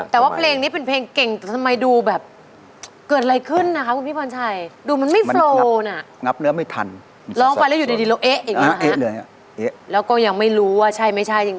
แต่ว่าเพลงนี้เป็นเพลงเก่งแต่ทำไมดูแบบเกิดอะไรขึ้นนะคะคุณพี่พรชัย